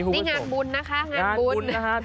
นี่งานบุญนะคะงานบุญ